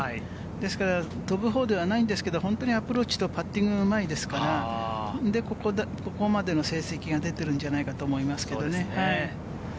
ですから飛ぶ方ではないんですけれど、本当にアプローチとパッティングがうまいですから、それでここまでの成績が出てるんじゃないかと思いますね。